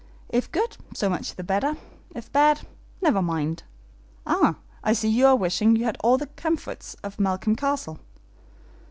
"If good, so much the better; if bad, never mind. Ah, I see you are wishing you had all the comforts of Malcolm Castle."